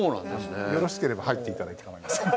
よろしければ入って頂いて構いません。